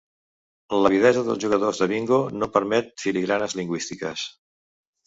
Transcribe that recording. L'avidesa dels jugadors de bingo no permet filigranes lingüístiques.